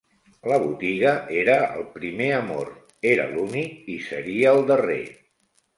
La botiga era el primer amor, era l'únic i seria'l darrer